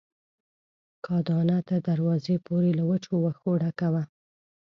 کاه دانه تر دروازې پورې له وچو وښو ډکه وه.